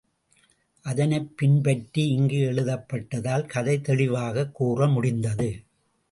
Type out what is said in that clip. அதனையே பின்பற்றி இங்கு எழுதப்பட்டதால் கதை தெளிவாகக் கூறமுடிந்தது.